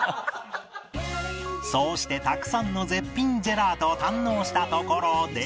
そうしてたくさんの絶品ジェラートを堪能したところで